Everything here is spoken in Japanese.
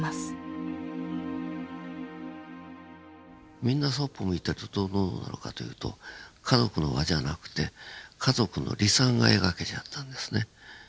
みんなそっぽ向いてるとどうなるかというと家族の輪じゃなくて家族の離散が描けちゃったんですね。